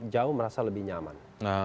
jauh merasa lebih nyaman